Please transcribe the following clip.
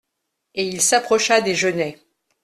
Et il s'approcha des genêts.